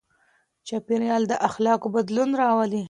چاپېريال د اخلاقو بدلون راولي.